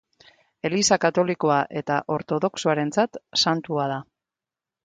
Eliza Katolikoa eta Ortodoxoarentzat santua da.